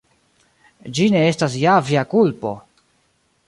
Ĝi ne estas ja via kulpo!